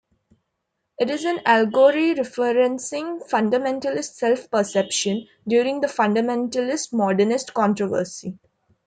It is an allegory referencing Fundamentalist self-perception during the Fundamentalist-Modernist Controversy.